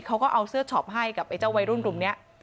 เขาก็เอาเสื้อช็อปให้กับไอ้เจ้าวัยรุ่นกลุ่มนี้